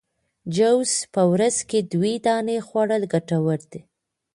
جوز په ورځ کي دوې دانې خوړل ګټور دي